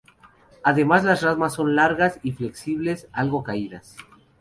Las ramas son largas y flexibles, algo caídas.